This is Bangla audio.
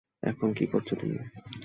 এখানে কী করছো তুমি?